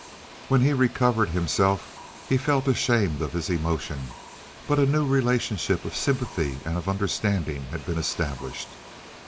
When he recovered himself he felt ashamed of his emotion, but a new relationship of sympathy and of understanding had been established.